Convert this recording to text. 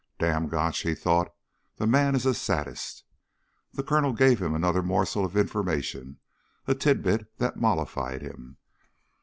Damn Gotch, he thought, the man is a sadist. The Colonel gave him another morsel of information a tidbit that mollified him.